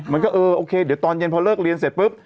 มันก็เออโอเคเดี๋ยวตอนเย็นพอเลิกเรียนเสร็จปุ๊บ